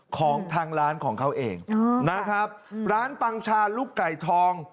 ของทางร้านของเขาเองนะครับร้านปังชาลูกไก่ทอง